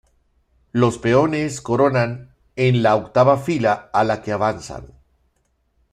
Los peones coronan en la octava fila a la que avanzan.